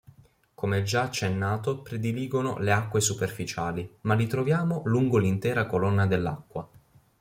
Come già accennato prediligono le acque superficiali, ma li troviamo lungo l'intera colonna dell'acqua.